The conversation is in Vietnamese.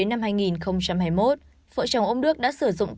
ngày bảy tháng hai năm hai nghìn hai mươi ba